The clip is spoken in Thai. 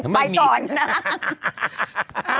ไม่ไปก่อนนะ